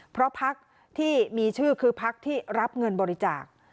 เพราะพักที่มีชื่อคือพักที่รับเงินบริจาค